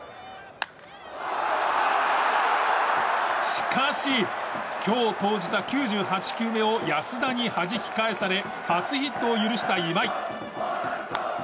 しかし、今日投じた９８球目を安田にはじき返され初ヒットを許した今井。